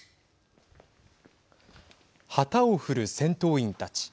旗を振る戦闘員たち。